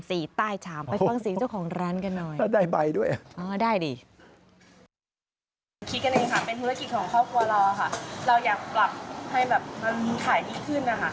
เราก็สามารถขยายธุรกิจให้มันใหญ่ขึ้นได้อีก